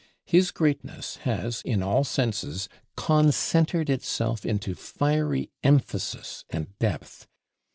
His greatness has, in all senses, concentred itself into fiery emphasis and depth.